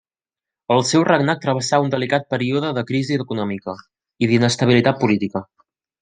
El seu regnat travessà un delicat període de crisi econòmica i d'inestabilitat política.